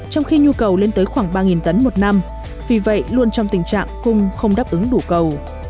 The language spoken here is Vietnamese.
trong khi nhu cầu lên tới khoảng ba tấn một năm vì vậy luôn trong tình trạng cung không đáp ứng đủ cầu